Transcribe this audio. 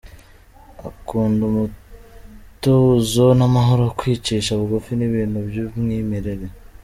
Akunda umutuzo n’amahoro, kwicisha bugufi n’ibintu by’umwimerere.